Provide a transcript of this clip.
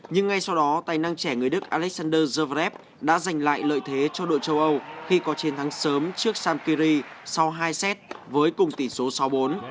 nhưng ngay sau đó tài năng trẻ người đức alexander gvarev đã giành lại lợi thế cho đội châu âu khi có chiến thắng sớm trước samkiri sau hai xét với cùng tỷ số sáu bốn